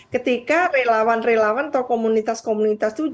ketika relawan relawan atau komunitas komunitas itu jauh lagi